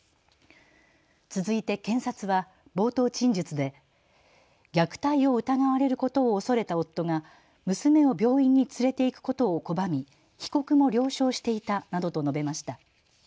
続いて検察は冒頭陳述で虐待を疑われることを恐れた夫が娘を病院に連れて行くことを拒み被告も了承していたなどと述べました。